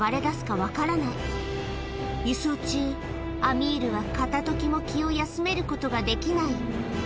アミールは片時も気を休めることができない